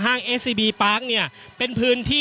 อย่างที่บอกไปว่าเรายังยึดในเรื่องของข้อ